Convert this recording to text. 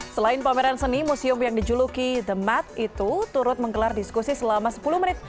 selain pameran seni museum yang dijuluki the mat itu turut menggelar diskusi selama sepuluh menit